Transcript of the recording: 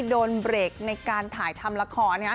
โดนเบรกในการถ่ายทำละคร